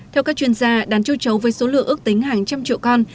theo các chuyên gia đàn châu chấu với số lượng ước tính hàng trăm triệu con